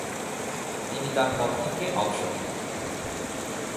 তিনি তার পদ থেকে অবসর নেন।